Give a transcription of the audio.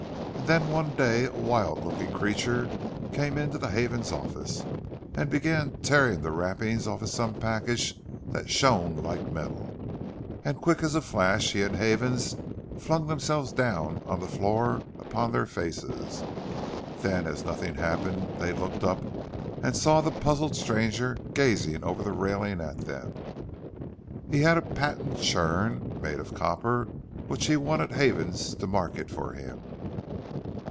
And then one day a wild looking creature came into the Havens office, and began tearing the wrappings off some package that shone like metal—and quick as a flash he and Havens flung themselves down on the floor upon their faces. Then, as nothing happened, they looked up, and saw the puzzled stranger gazing over the railing at them. He had a patent churn, made of copper, which he wanted Havens to market for him!"